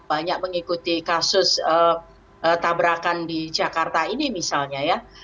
banyak mengikuti kasus tabrakan di jakarta ini misalnya ya